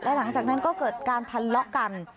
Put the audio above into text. หลังจากนั้นก็เกิดการทะเลาะกัน